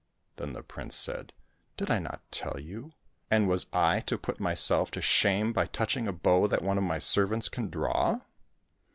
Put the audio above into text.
Then the prince said, " Did I not tell you ? and was I to put myself to shame by touching a bow that one of my servants can draw